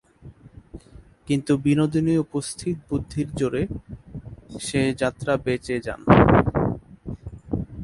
কিন্তু বিনোদিনী উপস্থিত বুদ্ধির জোরে সে যাত্রা বেঁচে যান।